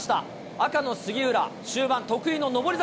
赤の杉浦、終盤、得意の上り坂。